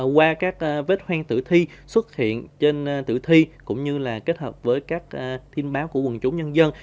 qua các vết hoen tử thi xuất hiện trên tử thi cũng như là kết hợp với các tin báo của quần chúng nhân dân